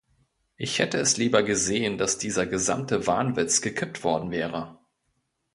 Ich hätte es lieber gesehen, dass dieser gesamte Wahnwitz gekippt worden wäre.